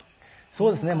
そうですね。